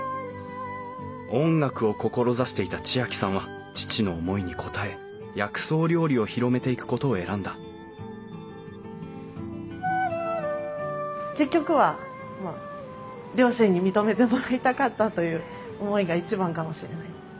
音楽を志していた知亜季さんは父の思いに応え薬草料理を広めていくことを選んだ結局はまあ両親に認めてもらいたかったという思いが一番かもしれない。